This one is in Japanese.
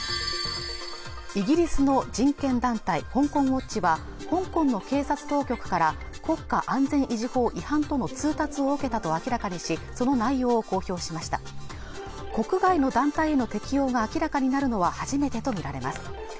イギリスの人権団体香港ウォッチは香港の警察当局から国家安全維持法違反との通達を受けたと明らかにしその内容を公表しました国外の団体への適用が明らかになるのは初めてと見られます